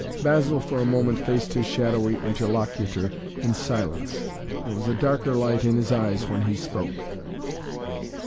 Basil, for a moment, faced his shadowy interlocutor in silence. There was a darker light in his eyes when he spoke.